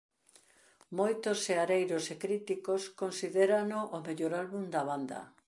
Moitos seareiros e críticos considérano o mellor álbum da banda.